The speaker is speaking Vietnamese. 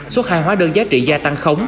xuất hàng khóa đơn giá trị gia tăng khống